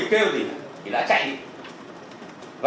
và có trách nhiệm